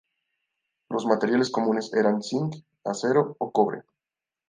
Los materiales comunes eran zinc, acero o cobre.